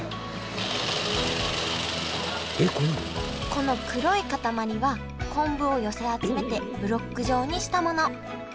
この黒い固まりは昆布を寄せ集めてブロック状にしたもの。